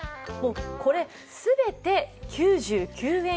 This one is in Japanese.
これ全て９９円